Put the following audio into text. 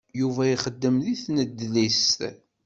Yuba ixeddem di tnedlist.